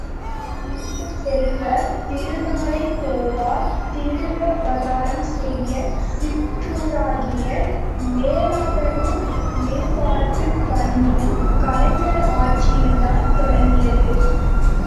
இனிய செல்வ, திருநாளைப் போவார் திருவவதாரம் செய்த சிற்றூராகிய, மேலாதனுார் மேம்பாட்டுப்பணியும் கலைஞர் ஆட்சியில் தான் தொடங்கியது.